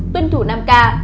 tuân thủ năm k